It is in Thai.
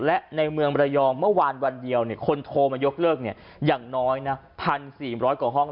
และในเมืองระยองเมื่อวานวันเดียวคนโทรมายกเลิกอย่างน้อยนะ๑๔๐๐กว่าห้อง